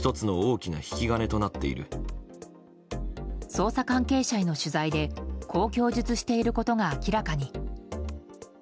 捜査関係者への取材でこう供述していることが明らかに。